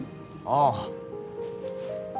ああ。